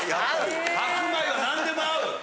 白米は何でも合う！